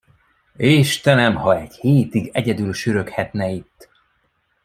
Istenem, ha egy hétig egyedül süröghetne itt.